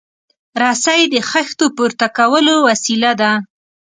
رسۍ د خښتو پورته کولو وسیله ده.